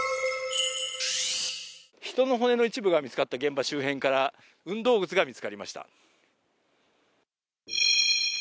人の骨の一部が見つかった現場周辺から運動靴が見つかりました。